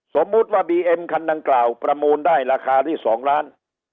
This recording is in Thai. สมมุติว่าบีเอ็มคันดังกล่าวประมูลได้ราคาที่๒ล้าน